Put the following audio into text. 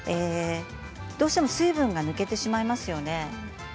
どうしても水分が抜けてしまいますよね。